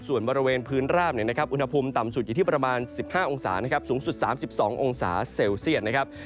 ส่วนบริเวณพื้นราบอุณหภูมิต่ำสุดอยู่ที่ประมาณ๑๕องศานะครับสูงสุด๓๒องศาเซลเซียตนะครับ